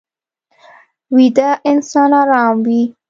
ویده انسان ارام وي